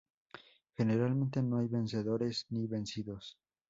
Generalmente, no hay vencedores ni vencidos.